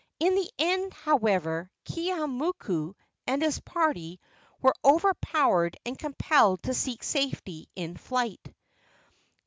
In the end, however, Keeaumoku and his party were overpowered and compelled to seek safety in flight.